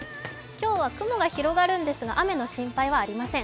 今日は雲が広がるんですが雨の心配はありません。